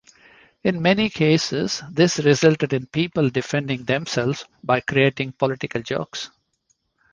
In many cases this resulted in people defending themselves by creating political jokes.